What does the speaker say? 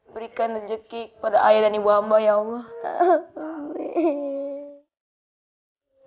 berikan rezeki kepada ayah dan ibu hamba ya allah